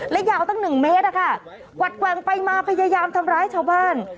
และยาวตั้งหนึ่งเมตรอะค่ะวัดแกว่งไปมาพยายามทำร้ายชาวบ้าน